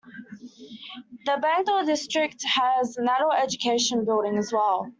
The Bangor District has an Adult Education building as well.